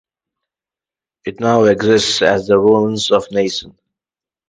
It now exists as the ruins of Naysan.